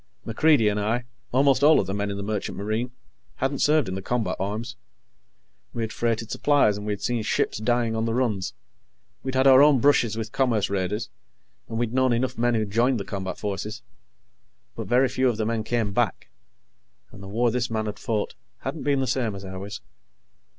MacReidie and I almost all of the men in the Merchant Marine hadn't served in the combat arms. We had freighted supplies, and we had seen ships dying on the runs we'd had our own brushes with commerce raiders, and we'd known enough men who joined the combat forces. But very few of the men came back, and the war this man had fought hadn't been the same as ours.